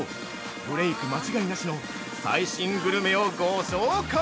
ブレイク間違いなしの最新グルメをご紹介！